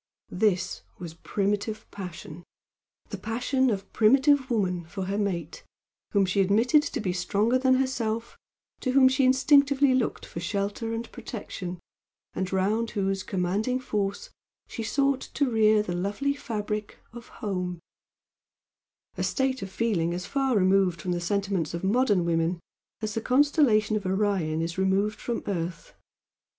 This was primitive passion, the passion of primitive woman for her mate whom she admitted to be stronger than herself, to whom she instinctively looked for shelter and protection, and round whose commanding force she sought to rear the lovely fabric of "Home," a state of feeling as far removed from the sentiments of modern women as the constellation of Orion is removed from earth.